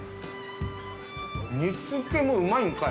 ◆煮付けもうまいんかい！